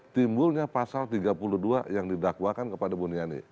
timbulnya pasal tiga puluh dua yang didakwakan kepada buniani